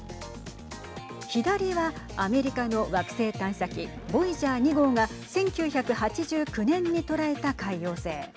左はアメリカの惑星探査機ボイジャー２号が１９８９年に捉えた海王星。